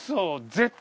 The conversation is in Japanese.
絶対。